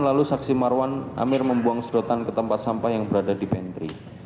lalu saksi marwan amir membuang sedotan ke tempat sampah yang berada di pentry